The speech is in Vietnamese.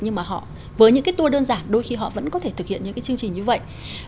nhưng mà họ với những cái tour đơn giản đôi khi họ vẫn có thể thực hiện những cái chương trình như vậy